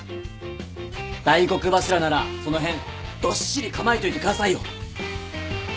大黒柱ならその辺どっしり構えといてくださいよ。